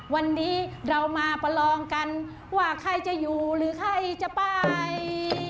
วันนี้เรามาประลองกันว่าใครจะอยู่หรือใครจะไป